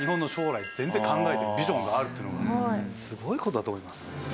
ビジョンがあるっていうのがすごい事だと思います。